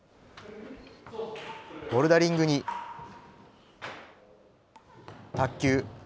ボルダリングに、卓球。